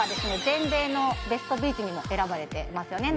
全米のベストビーチにも選ばれてますよね